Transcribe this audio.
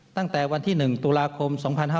ตั้งแต่วันที่๑ตุลาคม๒๕๕๙